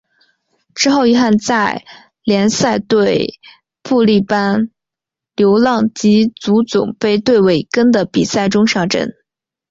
之后域汉在联赛对布力般流浪及足总杯对韦根的比赛中上阵。